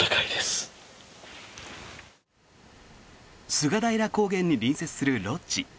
菅平高原に隣接するロッジ。